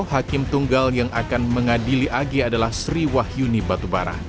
sepuluh hakim tunggal yang akan mengadili ag adalah sri wahyuni batubara